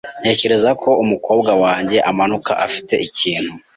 Ntekereza ko umukobwa wanjye amanuka afite ikintu.